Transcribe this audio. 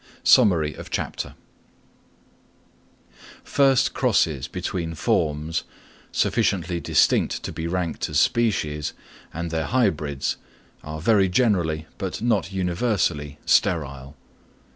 Summary of Chapter. First crosses between forms, sufficiently distinct to be ranked as species, and their hybrids, are very generally, but not universally, sterile.